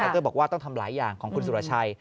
เตอร์บอกว่าต้องทำหลายอย่างของคุณสุรชัย